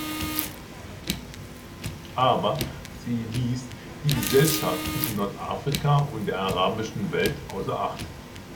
Aber sie ließ die Gesellschaften in Nordafrika und der arabischen Welt außer Acht.